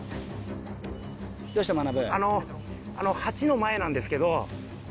８の前なんですけど。